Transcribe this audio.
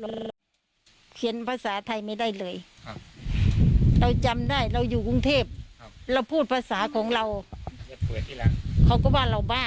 เราเขียนภาษาไทยไม่ได้เลยเราจำได้เราอยู่กรุงเทพเราพูดภาษาของเราเขาก็ว่าเราบ้า